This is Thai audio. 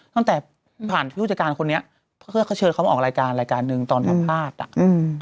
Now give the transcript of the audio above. ตั้งแต่ผ่านผู้จัดการคนนี้เพื่อเขาเชิญเขามาออกรายการรายการหนึ่งตอนสัมภาษณ์อ่ะอืม